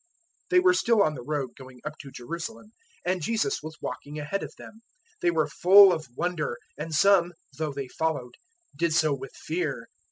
010:032 They were still on the road going up to Jerusalem, and Jesus was walking ahead of them; they were full of wonder, and some, though they followed, did so with fear.